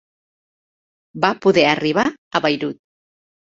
Va poder arribar a Beirut.